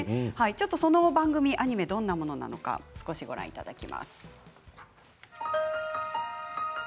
その番組はどんなものなのかご覧いただきます。